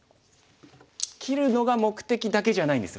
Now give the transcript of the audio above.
切るのが目的だけじゃないんです。